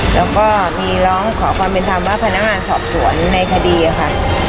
แล้วก็มีร้องขอความเป็นธรรมว่าพนักงานสอบสวนในคดีค่ะ